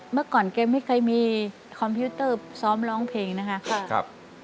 เมื่อก่อนแกไม่เคยมีคอมพิวเตอร์ซ้อมร้องเพลงนะคะ